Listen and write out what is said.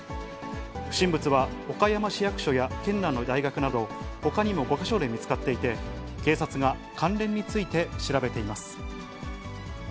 不審物は岡山市役所や県内の大学など、ほかにも５か所で見つかっていて、警察が関連について調べています。